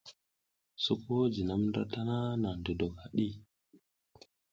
Soko jinam ndra tana naƞ gudok haɗi.